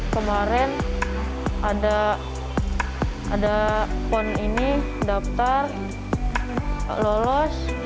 kemarin ada pon ini daftar lolos